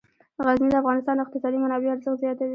غزني د افغانستان د اقتصادي منابعو ارزښت زیاتوي.